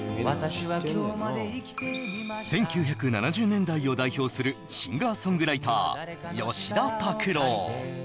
１９７０年代を代表するシンガーソングライター吉田拓郎